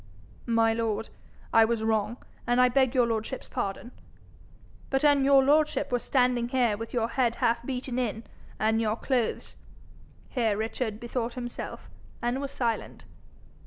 'My lord, I was wrong, and I beg your lordship's pardon. But an' your lordship were standing here with your head half beaten in, and your clothes ' Here Richard bethought himself, and was silent.